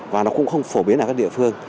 và nó cũng không phổ biến ở các địa phương